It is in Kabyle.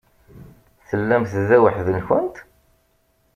Tellamt da weḥd-nkent?